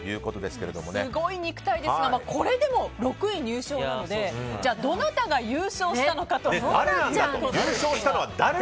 すごい肉体ですがこれでも６位入賞なのでじゃあ、どなたが優勝したのかと。